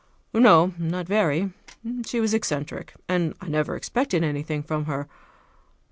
"No, not very. She was eccentric, and I never expected anything from her.